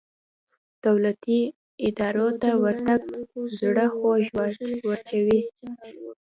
دولتي ادارو ته ورتګ زړه خوږ وراچوي.